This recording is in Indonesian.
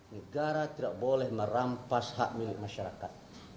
negara tidak boleh merampas hak milik masyarakat